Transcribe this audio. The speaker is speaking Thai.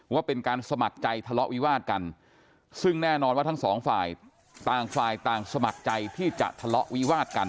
ว่าเป็นการสมัครใจทะเลาะวิวาดกันซึ่งแน่นอนว่าทั้งสองฝ่ายต่างฝ่ายต่างสมัครใจที่จะทะเลาะวิวาดกัน